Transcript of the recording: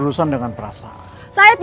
tip ini kan berasal dari